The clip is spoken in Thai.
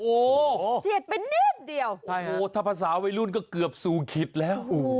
โอ้โหเฉียดไปนิดเดียวโอ้โหถ้าภาษาวัยรุ่นก็เกือบสู่ขิตแล้ว